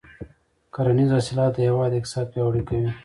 کرنیز حاصلات د هېواد اقتصاد پیاوړی کوي.